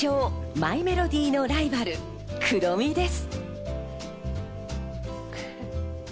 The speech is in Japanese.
マイメロディのライバル・クロミです。